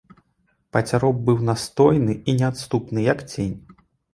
Пацяроб быў настойны і неадступны, як цень.